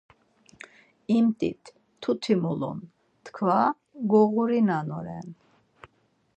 İmt̆it, mtuti mulun, tkva goğurinanoren.